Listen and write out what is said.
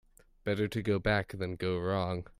Better to go back than go wrong.